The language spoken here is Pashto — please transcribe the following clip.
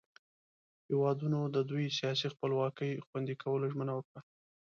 هیوادونو د دوئ سیاسي خپلواکي خوندي کولو ژمنه وکړه.